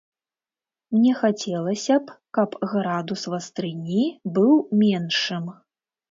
Мне хацелася б, каб градус вастрыні быў меншым.